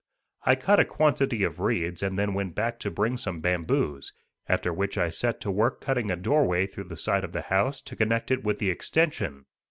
I cut a quantity of reeds and then went back to bring some bamboos, after which I set to work cutting a door way through the side of the house to connect it with the extension.